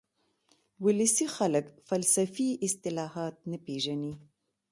ولسي خلک فلسفي اصطلاحات نه پېژني